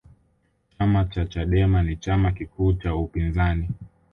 chama cha chadema ni chama kikuu cha upinzani